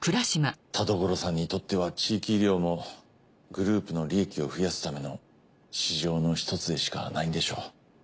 田所さんにとっては地域医療もグループの利益を増やすための市場の一つでしかないんでしょう。